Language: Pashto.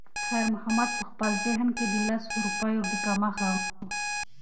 خیر محمد په خپل ذهن کې د لسو روپیو د کمښت غم کاوه.